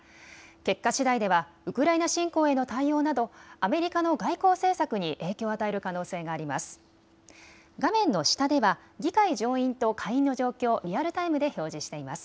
結果しだいではウクライナ侵攻への対応などアメリカの外交政策に影響を与える可能性があります。